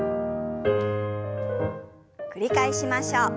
繰り返しましょう。